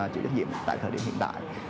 chịu trách nhiệm tại thời điểm hiện đại